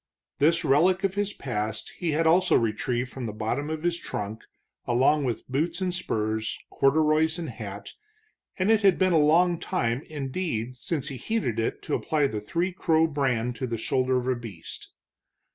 This relic of his past he also had retrieved from the bottom of his trunk along with boots and spurs, corduroys and hat, and it had been a long time, indeed, since he heated it to apply the Three Crow brand to the shoulder of a beast.